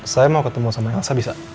saya mau ketemu sama elsa bisa